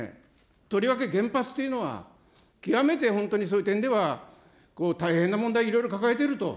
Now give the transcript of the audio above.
とりわけ原発というのは、極めて本当にそういう点では、大変な問題、いろいろ抱えていると。